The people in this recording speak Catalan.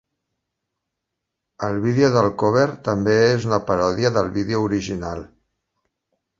El vídeo del cover, també és una paròdia del vídeo original.